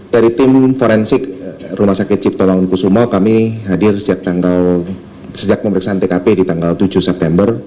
dari tim forensik rumah sakit cipto launkusumo kami hadir sejak pemeriksaan tkp di tanggal tujuh september